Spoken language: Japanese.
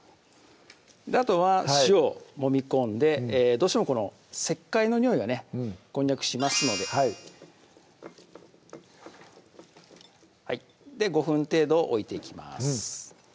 あとは塩をもみ込んでどうしてもこの石灰のにおいがねこんにゃくしますので５分程度置いていきます